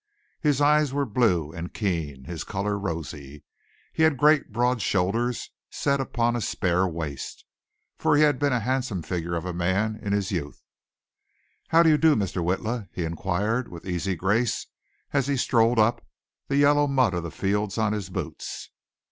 His eyes were blue and keen, his color rosy. He had great broad shoulders set upon a spare waist, for he had been a handsome figure of a man in his youth. "How do you do, Mr. Witla," he inquired with easy grace as he strolled up, the yellow mud of the fields on his boots.